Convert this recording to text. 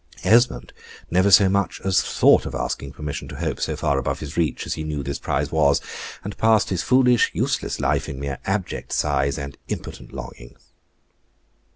Esmond never so much as thought of asking permission to hope so far above his reach as he knew this prize was and passed his foolish, useless life in mere abject sighs and impotent longing.